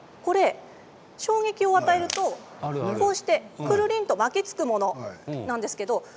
衝撃を与えると、こうしてくるりんと巻きつくものなんです。